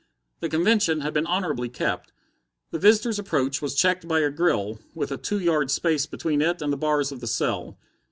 The convention had been honorably kept. The visitor's approach was checked by a grill, with a two yards space between it and the bars of the cell.